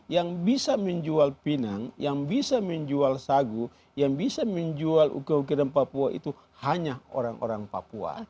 yang bisa menjual pinang yang bisa menjual sagu yang bisa menjual ukir ukiran papua itu hanya orang orang papua